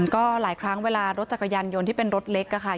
ก็หลายครั้งเวลารถจักรยานยนต์ที่เป็นรถเล็กค่ะ